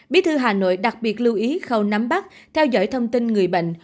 bí thư hà nội đặc biệt lưu ý khâu nắm bắt theo dõi thông tin người bệnh